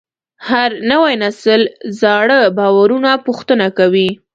هر نوی نسل زاړه باورونه پوښتنه کوي.